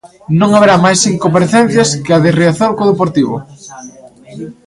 Non haberá máis incomparecencias que a de Riazor co Deportivo.